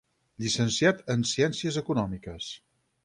Llicenciat en Ciències Econòmiques.